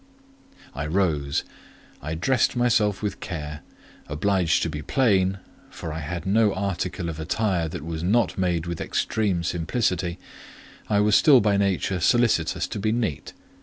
I rose; I dressed myself with care: obliged to be plain—for I had no article of attire that was not made with extreme simplicity—I was still by nature solicitous to be neat.